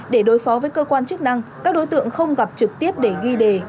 để đối phó với cơ quan chức năng các đối tượng không gặp trực tiếp để ghi đề